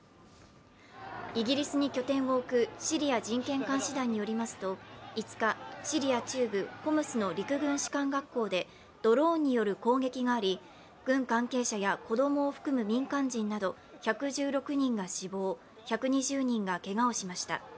イギリスに拠点を置くシリア人権監視団によりますと５日シリア中部ホムスの陸軍士官学校でドローンによる攻撃があり軍関係者や子供を含む民間人など１１６人が死亡、１２０人がけがをしました。